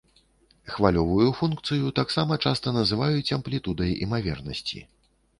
Хвалевую функцыю таксама часта называюць амплітудай імавернасці.